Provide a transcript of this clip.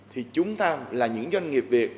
thì chúng ta là những doanh nghiệp việt